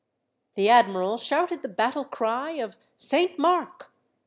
The admiral shouted the battle cry of "Saint Mark!"